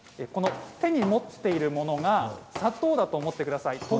手に持っているものが砂糖だと思ってください。